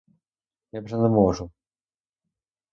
Я вже не можу.